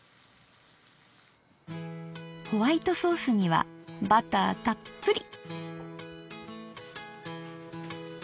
ホワイトソースにはバターたっぷり。